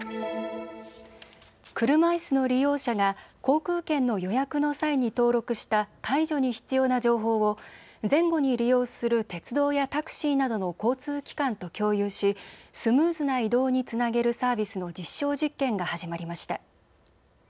車いすの利用者が航空券の予約の際に登録した介助に必要な情報を前後に利用する鉄道やタクシーなどの交通機関と共有しスムーズな移動につなげるサービスの実証実験が始まりました。